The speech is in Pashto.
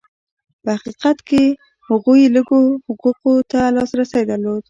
په حقیقت کې هغوی لږو حقوقو ته لاسرسی درلود.